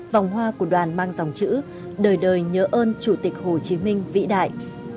vòng hoa của đoàn mang dòng chữ đời đời nhớ ơn chủ tịch hồ chí minh vĩ đại